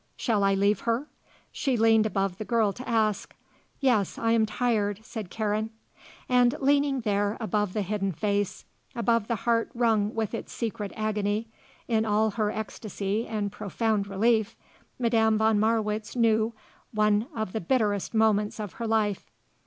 Shall I leave her?" she leaned above the girl to ask. "Yes; I am tired," said Karen. And leaning there, above the hidden face, above the heart wrung with its secret agony, in all her ecstasy and profound relief, Madame von Marwitz knew one of the bitterest moments of her life.